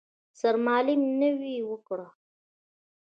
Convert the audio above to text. سرمالم نوې وکړه.